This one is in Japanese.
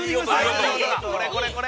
◆これこれこれ。